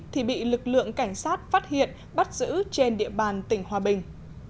thì bị lực lượng cảnh sát phát hiện bắt giữ trên địa bàn tỉnh hòa bình